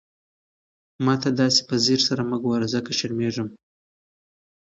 ما ته داسې په ځير سره مه ګوره، ځکه شرمېږم.